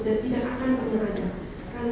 dan tidak akan pernah ada karena